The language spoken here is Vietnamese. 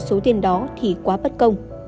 số tiền đó thì quá bất công